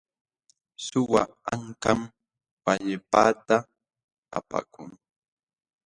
Suwa ankam wallpaata apakun.